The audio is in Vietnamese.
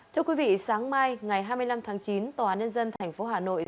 thưa quý vị sáng mai ngày hai mươi năm tháng chín tòa nhân dân tp hà nội